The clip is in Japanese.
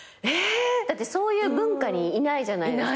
だってそういう文化にいないじゃないですか。